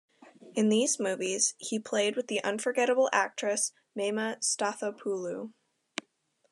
In these movies, he played with the unforgettable actress Mema Stathopoulou.